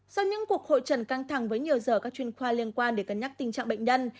sau những cuộc hội trần căng thẳng với nhiều giờ các chuyên khoa liên quan để cân nhắc tình trạng bệnh nhân